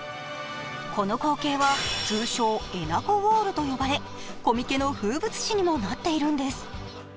この光景は通称、えなこウォールとも呼ばれコミケの風物詩にもなっているんです。